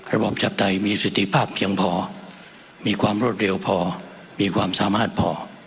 ระบอบชาปไตยมีสิทธิภาพเพียงพอมีความรวดเร็วพอมีความสามารถพอ